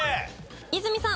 和泉さん。